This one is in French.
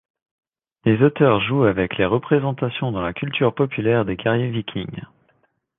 Les auteurs jouent avec les représentations dans la culture populaire des guerriers Vikings.